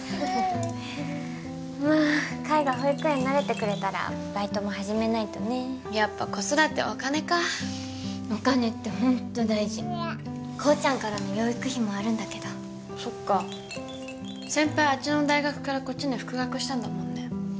まあ海が保育園慣れてくれたらバイトも始めないとねやっぱ子育てはお金かお金ってホント大事コウちゃんからの養育費もあるんだけどそっか先輩あっちの大学からこっちに復学したんだもんね